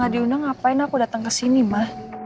ya kalau gak diundang ngapain aku datang kesini ma